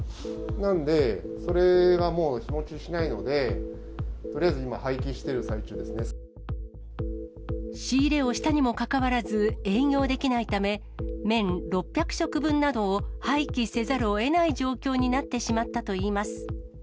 なんで、それがもう日持ちしないので、とりあえず今、廃棄している最中仕入れをしたにもかかわらず、営業できないため、麺６００食分などを廃棄せざるをえない状況になってしまったといいます。